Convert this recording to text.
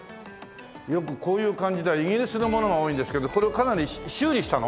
よくこういう感じではイギリスのものが多いんですけどこれはかなり修理したの？